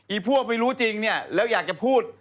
อีพวกไม่รู้จริงแล้วอยากจะพูด